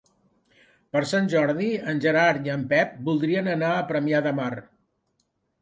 Per Sant Jordi en Gerard i en Pep voldrien anar a Premià de Mar.